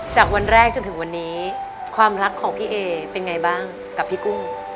จากวันแรกจนถึงวันนี้ความรักของพี่เอเป็นไงบ้างกับพี่กุ้ง